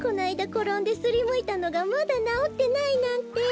ころんですりむいたのがまだなおってないなんて。